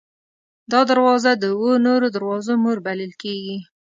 دا دروازه د اوو نورو دروازو مور بلل کېږي.